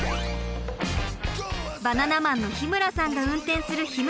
バナナマンの日村さんが運転するひむ